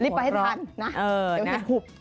รีบไปให้ทันนะ